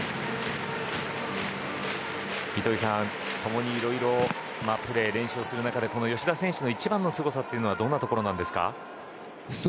糸井さん、共にいろいろプレー、練習する中でこの吉田選手の一番のすごさはどんなところなんですか？